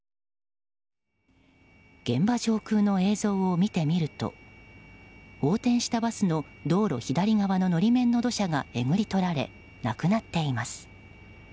現場上空の映像を見てみると横転したバスの道路左側の法面の土砂がえぐりとられなくなっています。